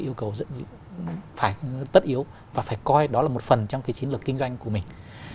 yêu cầu phải tất yếu và phải coi đó là một phần trong cái chiến lược kinh doanh của mình